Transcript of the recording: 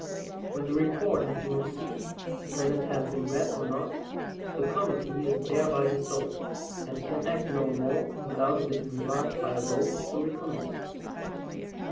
When the report has been received, whether it has been read or not, the committee is thereby dissolved, and can act no more without it is revived by a vote to recommit.